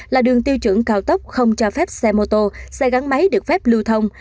là đường tiêu chuẩn cao tốc không cho phép xe mô tô xe gắn máy được phép lưu thông